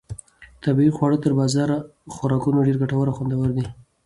طبیعي خواړه تر بازاري خوراکونو ډېر ګټور او خوندور دي.